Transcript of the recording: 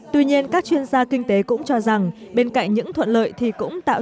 tuy nhiên các chuyên gia kinh tế cũng cho rằng bên cạnh những thuận lợi thì cũng tạo